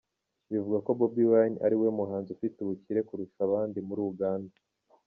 Bivugwa ko Bobi Wine ari we muhanzi ufite ubukire kurusha abandi muri Uganda.